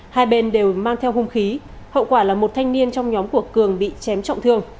hai bên đều mang theo hung khí hậu quả là một thanh niên trong nhóm của cường bị chém trọng thương